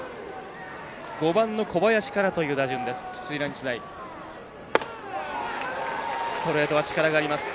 ５番の小林からという打順です。